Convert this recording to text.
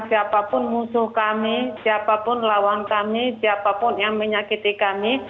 siapapun musuh kami siapapun lawan kami siapapun yang menyakiti kami